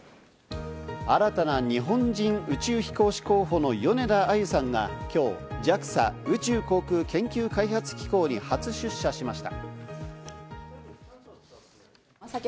新たな日本人宇宙飛行士候補の米田あゆさんが、今日ＪＡＸＡ＝宇宙航空研究開発機構に初出社しました。